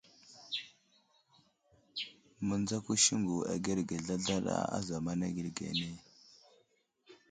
Miŋdzako siŋgu agerge zlazlaɗa a zamana geli ge ane.